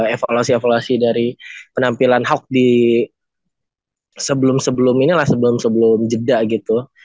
evaluasi evaluasi dari penampilan ahok sebelum sebelum inilah sebelum sebelum jeda gitu